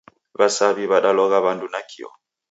W'asaw'i w'adalogha w'andu nakio